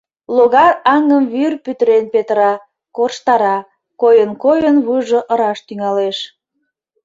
Логар аҥым вӱр пӱтырен петыра, корштара, койын-койын вуйжо ыраш тӱҥалеш.